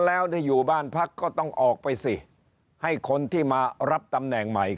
แล้วได้อยู่บ้านพักก็ต้องออกไปสิให้คนที่มารับตำแหน่งใหม่